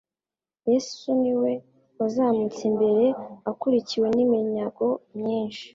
Yesu ni we wazamutse imbere akurikiwe n'iminyago myinshi,